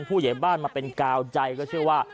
ผู้ใหญ่บ้านมาเป็นกาวใจก็เชื่อว่า